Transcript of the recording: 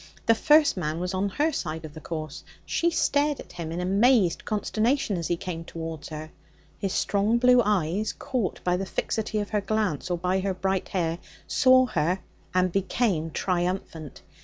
The first man was on her side of the course. She stared at him in amazed consternation as he came towards her. His strong blue eyes, caught by the fixity of her glance or by her bright hair, saw her, and became triumphant.